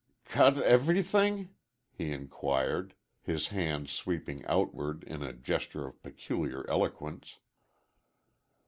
"Cut everyth thing?" he inquired, his hand sweeping outward in a gesture of peculiar eloquence.